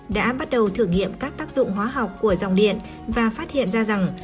đã bắt đầu thử nghiệm các tác dụng hóa học của dòng điện và phát hiện ra rằng